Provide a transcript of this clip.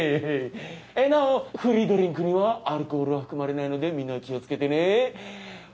えなおフリードリンクにはアルコールは含まれないのでみんな気をつけてね。